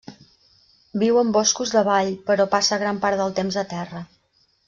Viu en boscos de vall, però passa gran part del temps a terra.